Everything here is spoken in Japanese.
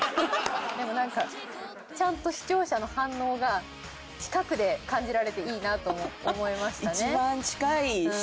でもなんかちゃんと視聴者の反応が近くで感じられていいなと思いましたね。